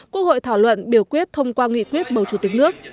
quốc hội thảo luận biểu quyết thông qua nghị quyết bầu chủ tịch nước